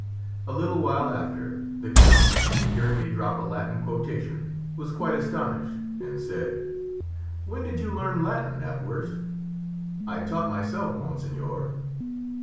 A little while after the count, hearing me drop a Latin quotation, was quite astonished, and said, 'When did you learn Latin, Knapwurst?' 'I taught myself, monseigneur.'